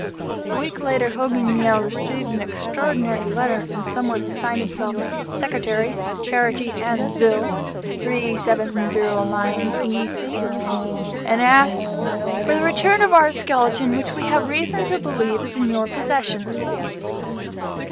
A week later, Hogan Yale received an extraordinary letter from some one who signed himself "Secretary Charity and Zeal, 3709, E. C.," and asked for "the return of our skeleton which we have reason to believe is in your possession."